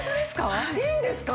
いいんですか！？